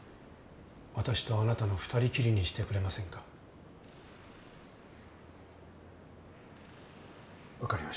私とあなたの２人きりにしてくれませんか？